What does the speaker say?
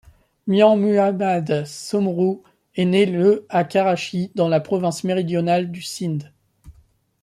Mian Muhammad Soomro est né le à Karachi, dans la province méridionale du Sind.